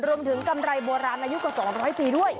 กำไรโบราณอายุกว่า๒๐๐ปีด้วย